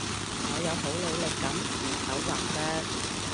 我有好努力噉指手劃腳